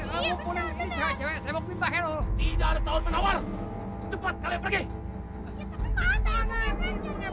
tidak ada tahun menawar cepat pergi